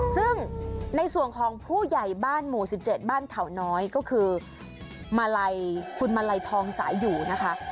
ซึ่งในส่วนของผู้ใหญ่บ้านหมู่๑๗บ้านเขาน้อยก็คือมาลัยคุณมาลัยทองสายอยู่นะคะ